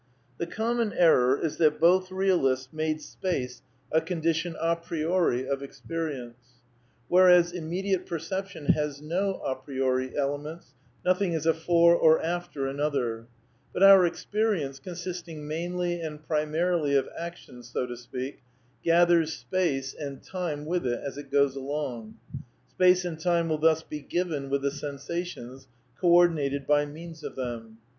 The common error is that both realists made space a condition d priori of experience; whereas immediate per ception has no d priori elements, nothing is afore or after another; but our experience, consisting mainly and pri marily of action, so to speak, gathers space and time with it as it goes along. Space and time will thus be ^' given " with the sensations, co ordinated by means of them.